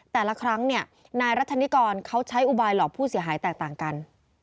แต่ละครั้งเนี่ยนายรัชนิกรเขาใช้อุบายหลอกผู้เสียหายแตกต่างกัน